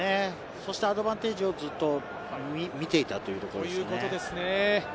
そしてアドバンテージがずっと見ていたというところですね。